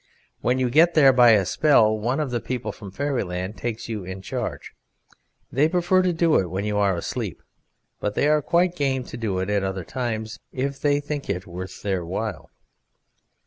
When you get there by a spell, one of the people from Fairyland takes you in charge. They prefer to do it when you are asleep, but they are quite game to do it at other times if they think it worth their while.